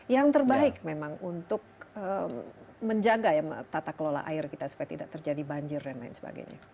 yang terbaik memang untuk menjaga ya tata kelola air kita supaya tidak terjadi banjir dan lain sebagainya